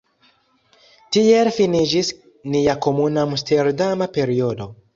Tiel finiĝis nia komuna Amsterdama periodo.